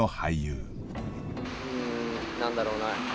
うん何だろうな。